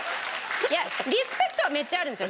いやリスペクトはめっちゃあるんですよ。